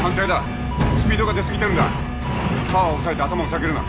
パワーを抑えて頭を下げるな。